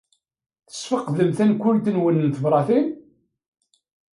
Tesfeqdem tankult-nwen n tebṛatin.